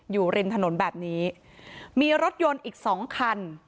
อยู่ริมถนนแบบนี้มีรถยนต์อีกสองคัน